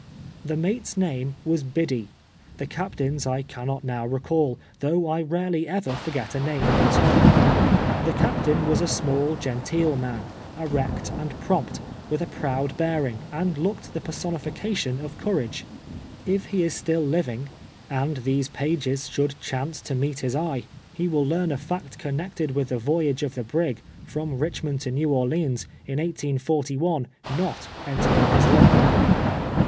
The mate's name was Biddee, the captain's I can not now recall, though I rarely ever foi'get a name once heard. The captain was a small, genteel man, erect and prompt, with a proud Ijearing, and looked the personification of courage. If he is still living, and these pages should chance to meet his eye, he 72 TWELYli YEAKS A SLAVE. ■vrill learn a fact connected witli tlio voyap:e of tlio brig, from Kichniond to Ncw Orlcans, in 1811, not entered on liis log* book.